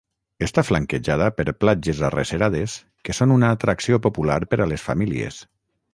Està flanquejada per platges arrecerades que són una atracció popular per a les famílies.